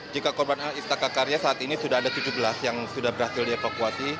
jika korban istaka karya saat ini sudah ada tujuh belas yang sudah berhasil dievakuasi